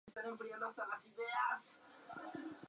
Tiene el mismo propósito que Big Brother Recordings tuvo con Oasis.